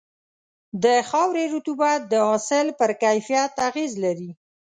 د خاورې رطوبت د حاصل پر کیفیت اغېز لري.